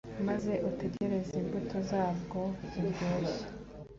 maze utegereze imbuto zabwo ziryoshye